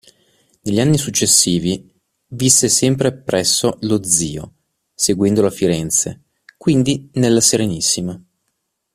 Negli anni successivi visse sempre appresso lo zio, seguendolo a Firenze, quindi nella Serenissima.